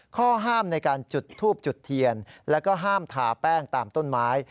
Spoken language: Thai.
ข้อห้ามในการจุดทูบจุดเทียนแล้วก็ห้ามทาแป้งตามต้นไม้